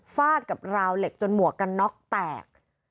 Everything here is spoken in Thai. ฟาดกับราวเหล็กจนหมวกกันน็อกแตก